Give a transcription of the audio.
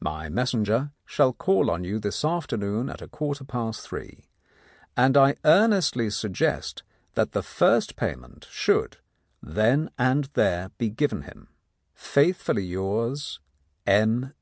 My messenger shall call on you this afternoon at a quarter past three, and I earnestly suggest that the first payment should then and there be given him. — Faithfully yours, "M.